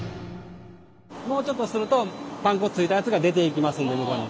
もうちょっとするとパン粉ついたやつが出ていきますんで向こうに。